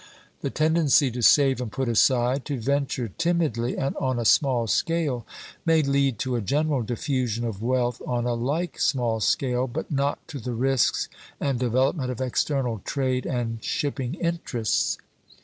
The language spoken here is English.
The tendency to save and put aside, to venture timidly and on a small scale, may lead to a general diffusion of wealth on a like small scale, but not to the risks and development of external trade and shipping interests.